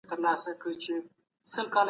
اقتصادي پرمختيا د عامه خلګو ژوند ښه کوي.